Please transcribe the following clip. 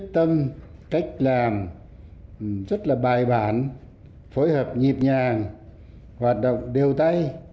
với một ký tâm cách làm rất là bài bản phối hợp nhịp nhàng hoạt động đều tay